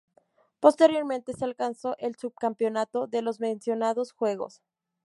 Posteriormente se alcanzó el subcampeonato de los mencionados Juegos.